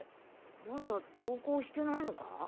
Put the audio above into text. まだ登校してないのか？